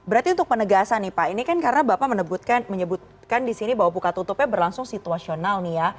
berarti untuk penegasan nih pak ini kan karena bapak menyebutkan di sini bahwa buka tutupnya berlangsung situasional nih ya